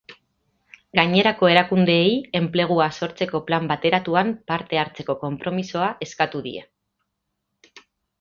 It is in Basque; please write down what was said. Gainerako erakundeei, enplegua sortzeko plan bateratuan parte hartzeko konpromisoa eskatu die sindikatuak.